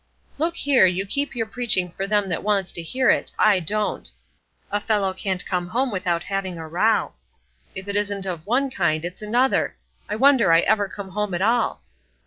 "Look here, you keep your preaching for them that wants to hear it; I don't. A fellow can't come home without having a row; if it isn't of one kind, it's another. I wonder I ever come home at all."